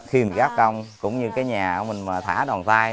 khi mình gáp cong cũng như cái nhà của mình mà thả đòn tay đó